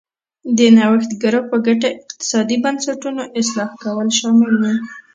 د نوښتګرو په ګټه اقتصادي بنسټونو اصلاح کول شامل و.